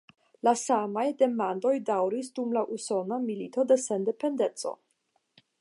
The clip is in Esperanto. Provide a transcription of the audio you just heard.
La samaj demandoj daŭris dum la Usona Milito de Sendependeco.